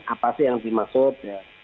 apa sih yang dimaksud